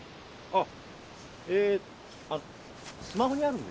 あっ！